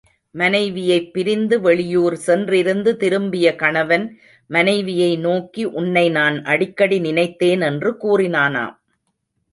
மனைவியைப் பிரிந்து வெளியூர் சென்றிருந்து திரும்பிய கணவன், மனைவியை நோக்கி, உன்னை நான் அடிக்கடி நினைத்தேன் என்று கூறினானாம்.